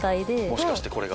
もしかしてこれが。